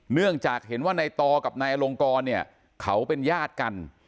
เนื่องจากเห็นว่าในต่อกับนายอลงกรเนี่ยเขาเป็นญาติกัน